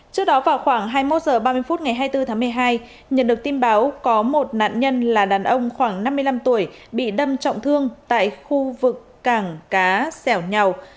trước đó vào khoảng hai mươi một h ba mươi phút ngày hai mươi bốn tháng một mươi hai nhận được tin báo có một nạn nhân là đàn ông khoảng năm mươi năm tuổi bị đâm trọng thương tại khu vực cảng cá sẻo nhầu